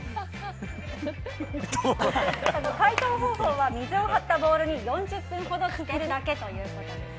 解凍方法は水を張ったボウルに４０分ほどつけるだけということです。